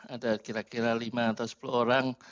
ada kira kira lima atau sepuluh orang